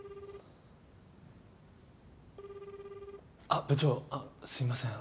あっ部長あっすいません